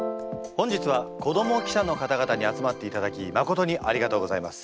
本日は子ども記者の方々に集まっていただきまことにありがとうございます。